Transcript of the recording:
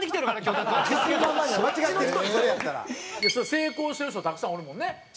成功してる人たくさんおるもんね。